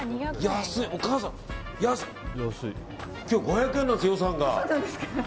お母さん、今日５００円なんですよ、予算が。